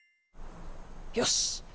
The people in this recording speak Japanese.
よし！